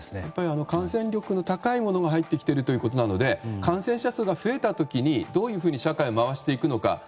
やっぱり感染力の高いものが入ってきているということなので感染者数が増えた時どう社会を回していくのか